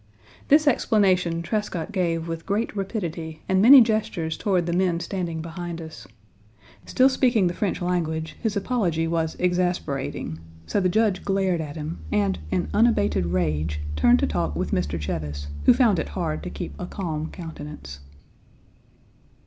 This explanation Trescott gave with great rapidity and many gestures toward the men standing behind us. Still speaking the French language, his apology was exasperating, so the Judge glared at him, and, in unabated rage, turned to talk with Mr. Cheves, who found it hard to keep a calm countenance.